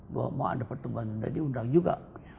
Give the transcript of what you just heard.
bahwa mau ada pertemuan tidak diundang juga